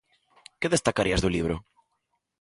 Que destacarías do libro?